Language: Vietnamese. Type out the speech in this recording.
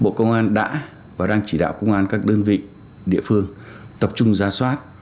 bộ công an đã và đang chỉ đạo công an các đơn vị địa phương tập trung ra soát